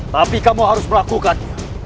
tapi kamu harus melakukan